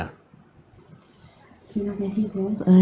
terima kasih bu